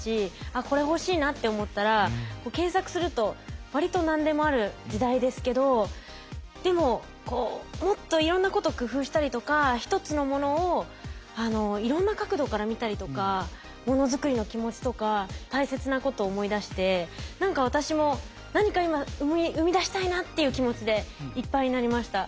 あっこれ欲しいなって思ったら検索するとわりと何でもある時代ですけどでもこうもっといろんなこと工夫したりとか一つのものをいろんな角度から見たりとかものづくりの気持ちとか大切なことを思い出して何か私も何か今生み出したいなっていう気持ちでいっぱいになりました。